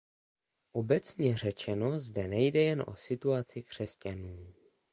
Obecně řečeno zde nejde jen o situaci křesťanů.